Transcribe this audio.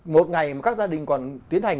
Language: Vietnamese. một ngày mà các gia đình còn tiến hành